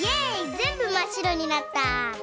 ぜんぶまっしろになった！